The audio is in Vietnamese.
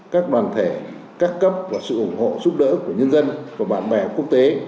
các đoàn thể các cấp và sự ủng hộ giúp đỡ của nhân dân và bạn bè quốc tế